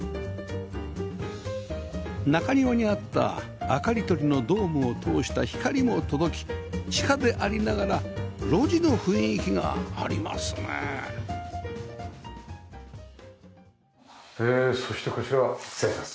中庭にあった明かり取りのドームを通した光も届き地下でありながら露地の雰囲気がありますねえへえそしてこちら失礼します。